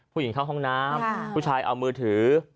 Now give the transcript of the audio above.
ผู้หญิงเข้าห้องน้ำผู้ชายเอามือถือ